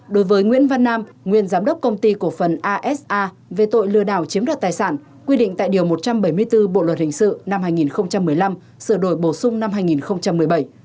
đối với nguyễn văn nam nguyên giám đốc công ty cổ phần asa về tội lừa đảo chiếm đoạt tài sản quy định tại điều một trăm bảy mươi bốn bộ luật hình sự năm hai nghìn một mươi năm sửa đổi bổ sung năm hai nghìn một mươi bảy